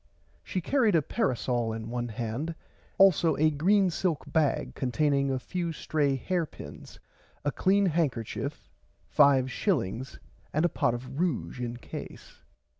She carried a parasole in one hand also a green silk bag containing a few stray hair pins a clean handkerchief five shillings and a pot of ruge in case.